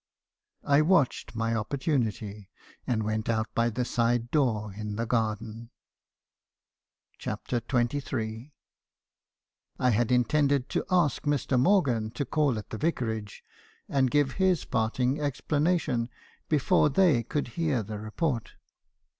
"I watched my opportunity, and went out by the side door in the garden." CHAPTER XXm. "1 had intended to ask Mr. Morgan to call at the Vicarage, and give his parting explanation before they could hear the re port.